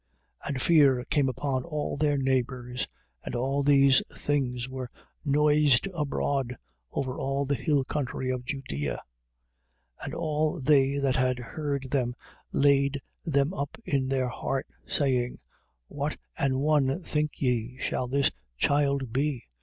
1:65. And fear came upon all their neighbours: and all these things were noised abroad over all the hill country of Judea. 1:66. And all they that had heard them laid them up in their heart, saying: What an one, think ye, shall this child be?